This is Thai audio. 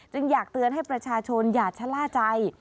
อยากเตือนให้ประชาชนอย่าชะล่าใจ